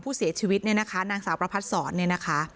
ผู้เสียชีวิตเนี่ยนะคะนางสาวประพัดศรเนี่ยนะคะ